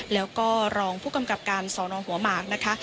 แล้วก็รองผู้กำกับการสอนองหัวหมากนะคะ